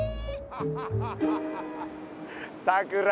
さくら